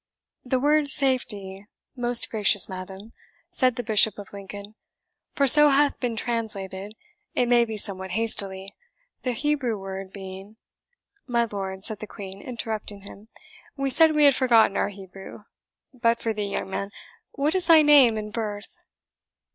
"The word SAFETY, most gracious madam," said the Bishop of Lincoln, "for so hath been translated, it may be somewhat hastily, the Hebrew word, being " "My lord," said the Queen, interrupting him, "we said we had forgotten our Hebrew. But for thee, young man, what is thy name and birth?"